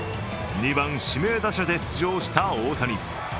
２番・指名打者で出場した大谷。